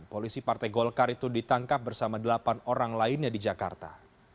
polisi partai golkar itu ditangkap bersama delapan orang lainnya di jakarta